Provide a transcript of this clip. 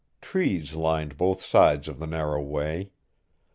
Trees lined both sides of the narrow way.